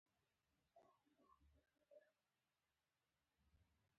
پفاندر ګومان کاوه چې د مسلمانانو اشراف زوال سره مخ دي.